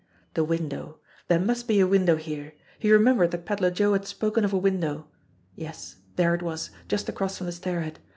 The window ! There must be a window here. He remem bered that Pedler Joe had spoken of a window. Yes, there it was just across from the stairhead.